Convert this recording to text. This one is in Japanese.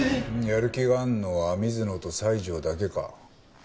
やる気があるのは水野と西条だけか。